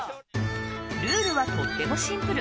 ルールはとってもシンプル。